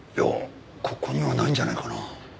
ここにはないんじゃないかな。